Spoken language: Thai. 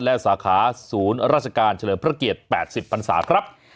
และสาขาศูนย์ราชการเฉลิมพระเกียรติ๘๐พันศาครับ